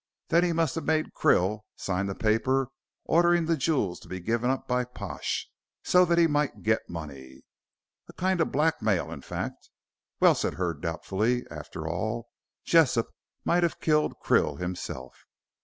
Then he must have made Krill sign the paper ordering the jewels to be given up by Pash, so that he might get money." "A kind of blackmail in fact." "Well," said Hurd, doubtfully, "after all, Jessop might have killed Krill himself."